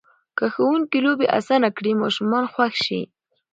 که ښوونکي لوبې اسانه کړي، ماشوم خوښ شي.